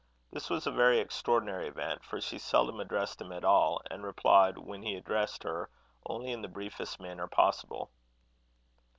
This was a very extraordinary event, for she seldom addressed him it all; and replied, when he addressed her, only in the briefest manner possible.